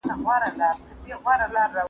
لویدیځوال باید اقتصاد رامنځته کړي.